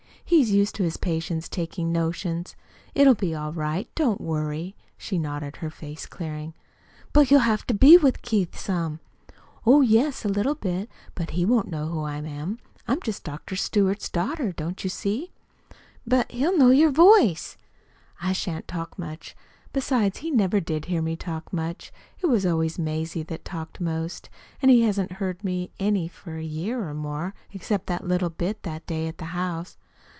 He's used to his patients taking notions. It'll be all right. Don't worry," she nodded, her face clearing. "But you'll have to be with Keith some." "Oh, yes, a little. But he won't know who I am. I'm just Dr. Stewart's daughter. Don't you see?" "But he'll know your voice." "I shan't talk much. Besides, he never did hear me talk much. It was always Mazie that talked most. And he hasn't heard me any for a year or more, except that little bit that day at the house."